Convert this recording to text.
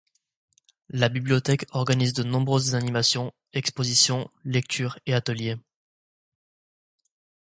La bibliothèque organise de nombreuses animations, expositions, lectures et ateliers.